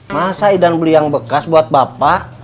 masa idan beli yang bekas buat bapak